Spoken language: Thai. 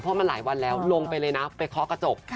เพราะมันหลายวันแล้วลงไปไปคล้อกระจก